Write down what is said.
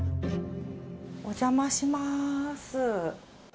お邪魔します。